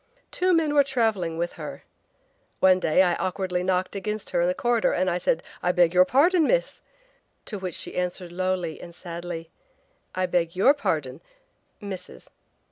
Two men were traveling with her. One day I awkwardly knocked against her in a corridor and I said, 'I beg your pardon, Miss!' To which she answered lowly and sadly: 'I beg YOUR pardon, –Mrs!'